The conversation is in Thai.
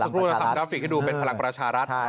ก็รู้สึกว่าทางกราฟิกให้ดูเป็นพลังประชารัฐ